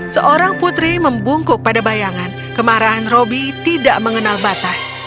seorang putri membungkuk pada bayangan kemarahan robby tidak mengenal batas